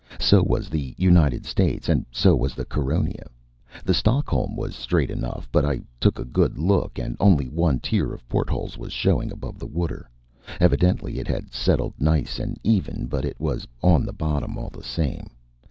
So was the United States, and so was the Caronia. The Stockholm was straight enough, but I took a good look, and only one tier of portholes was showing above the water evidently it had settled nice and even, but it was on the bottom all the same.